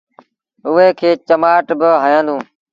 اُئي کي چمآٽ با هيآندونٚ۔